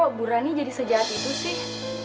kok bu rani jadi sejahat itu sih